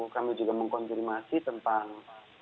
kami juga mengkonfirmasi tentang